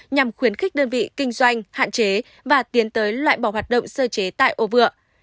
nhằm khuyến khích đơn vị kinh doanh hạn chế và tiến tới loại bỏ hoạt động sơ chế tại ô vựa